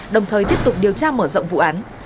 đồng thời tiếp tục điều tra mở rộng vụ án